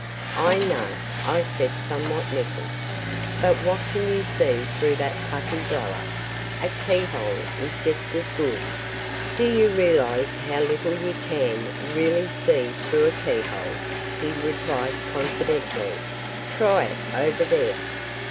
"I know," I said somewhat nettled, "but what can you see through that putty blower? A key hole is just as good." "Do you realize how little you can really see through a key hole?" he replied confidently. "Try it over there."